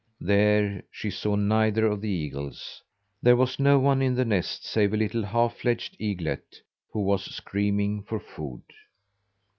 There she saw neither of the eagles. There was no one in the nest save a little half fledged eaglet who was screaming for food.